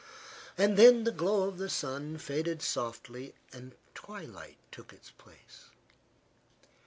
And then the glow of the sun faded softly and twilight took its place.